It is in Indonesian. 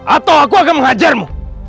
atau aku akan menghajarmu